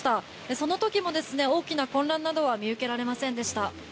その時も大きな混乱は見受けられませんでした。